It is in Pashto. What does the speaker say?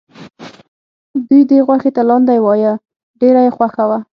دوی دې غوښې ته لاندی وایه ډېره یې خوښه وه.